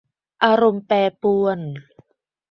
อารมณ์แปรปรวน